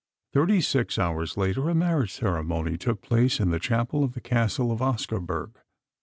Thirty six hours later a marriage ceremony took place in the chapel of the Castle of Oscarburg.